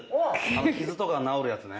傷とか治るやつね。